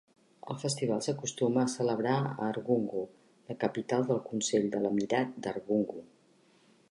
El festival s'acostuma a celebrar a Argungu, la capital del Consell de l'Emirat d'Argungu.